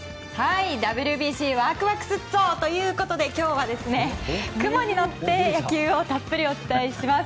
ＷＢＣワクワクすっぞということで今日は雲に乗って野球をたっぷりお伝えします。